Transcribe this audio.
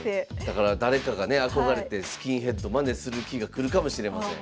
だから誰かがね憧れてスキンヘッドまねする日が来るかもしれません。